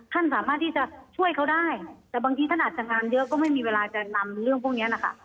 ท่านสามารถที่จะช่วยเขาได้แต่บางทีท่านอาจจะงานเยอะก็ไม่มีเวลาจะนำเรื่องพวกนี้นะคะ